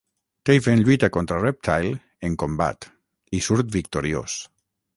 Taven lluita contra Reptile en combat i surt victoriós.